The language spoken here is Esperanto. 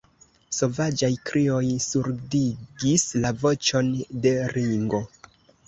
Sovaĝaj krioj surdigis la voĉon de Ringo.